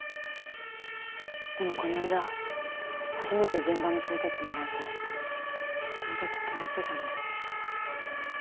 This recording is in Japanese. でもこの間初めて現場に連れてってもらえてそのとき気が付いたんです。